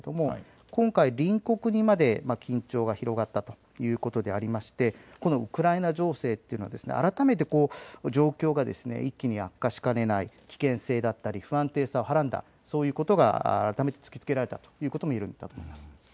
今回隣国にまで緊張が広がったということでこのウクライナ情勢というのは改めて状況が一気に悪化しかねない危険性だったり不安定さをはらんだということが改めて突きつけられたということが言えると思います。